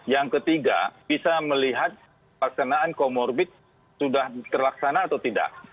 yang ketiga bisa melihat paksanaan comorbid sudah terlaksana atau tidak